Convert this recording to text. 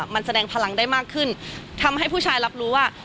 มันแสดงพลังได้มากขึ้นทำให้ผู้ชายรับรู้ว่า